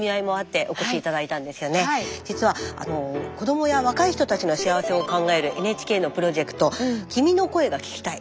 実は子どもや若い人たちの幸せを考えるＮＨＫのプロジェクト「君の声が聴きたい」